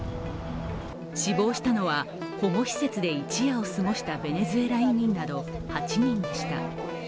死亡したのは保護施設で一夜を過ごしたベネズエラ移民など８人でした。